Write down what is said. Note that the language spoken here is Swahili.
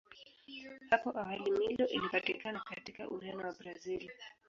Hapo awali Milo ilipatikana katika Ureno na Brazili.